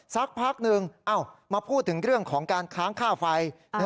สักพักหนึ่งมาพูดถึงเรื่องของการค้างค่าไฟ